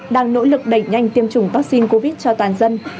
đang nỗ lực đẩy nhanh tiêm chủng vaccine covid cho toàn dân